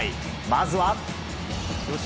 まずは。